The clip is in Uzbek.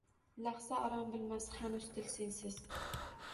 Lahza orom bilmas hanuz dil sensiz.